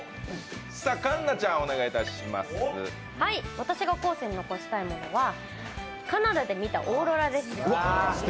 私が後世に残したいものはカナダで見たオーロラです。